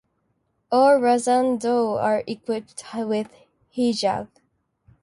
All Razanne dolls are equipped with hijab.